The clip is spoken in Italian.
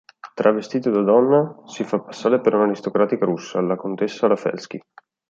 Travestito da donna, si fa passare per un'aristocratica russa, la contessa Raffelski.